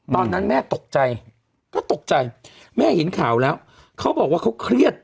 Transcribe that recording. ตอนนั้นแม่ตกใจก็ตกใจแม่เห็นข่าวแล้วเขาบอกว่าเขาเครียด